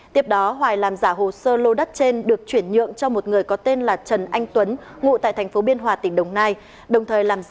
tiếp đó hoài làm giả hồ sơ lô đất trên được chuyển nhượng cho một người có tên là trần anh tuấn